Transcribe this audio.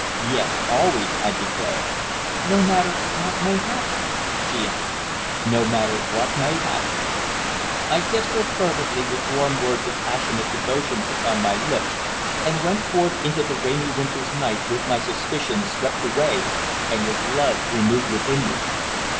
"Yes, always," I declared. "No matter what may happen?" she asked. "No matter what may happen." I kissed her fervently with warm words of passionate devotion upon my lips, and went forth into the rainy winter's night with my suspicions swept away and with love renewed within me.